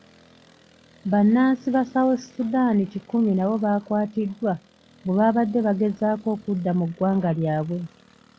Bannansi ba South Sudan kikumi nabo baakwatiddwa bwe baabadde bagezaako okudda mu ggwanga lyabwe.